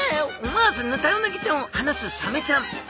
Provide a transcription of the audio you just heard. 思わずヌタウナギちゃんをはなすサメちゃん。